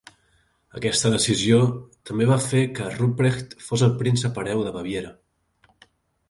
Aquesta decisió també va fer que Rupprecht fos el príncep hereu de Baviera.